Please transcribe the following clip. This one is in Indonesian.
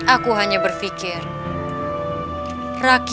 aduh sakit wak